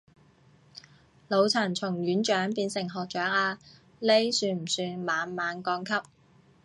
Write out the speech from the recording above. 老陳從院長變成學長啊，呢算不算猛猛降級